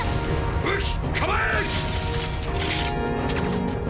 武器構え！